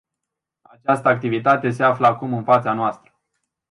Această activitate se află acum în fața noastră.